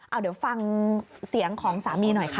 เอาเดี๋ยวฟังเสียงของสามีหน่อยค่ะ